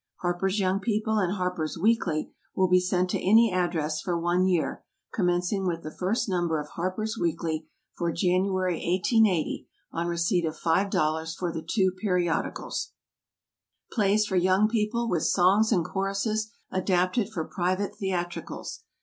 HARPER'S YOUNG PEOPLE and HARPER'S WEEKLY will be sent to any address for one year, commencing with the first Number of HARPER'S WEEKLY for January, 1880, on receipt of $5.00 for the two Periodicals. =PLAYS FOR YOUNG PEOPLE=, with Songs and Choruses, adapted for Private Theatricals.